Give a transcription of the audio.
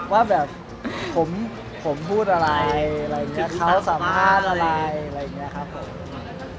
ว่าแบบผมพูดอะไรเขาสัมภาษณ์อะไรอะไรอย่างเงี้ยครับผม